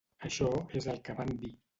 Això és el que van dir.